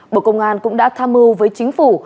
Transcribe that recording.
bộ công an cũng đã tham mưu với chính phủ